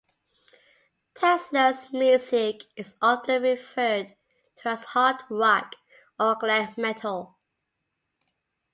Tesla's music is often referred to as hard rock or glam metal.